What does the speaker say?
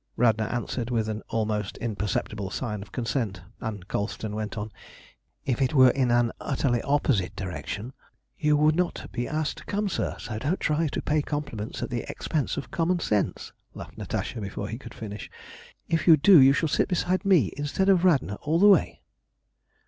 Radna answered with an almost imperceptible sign of consent, and Colston went on: "If it were in an utterly opposite direction" "You would not be asked to come, sir. So don't try to pay compliments at the expense of common sense," laughed Natasha before he could finish. "If you do you shall sit beside me instead of Radna all the way."